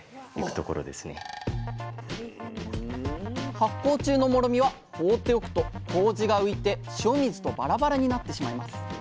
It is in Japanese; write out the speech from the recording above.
発酵中のもろみは放っておくとこうじが浮いて塩水とバラバラになってしまいます。